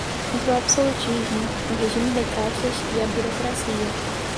contra o absolutismo, o regime de castas e a burocracia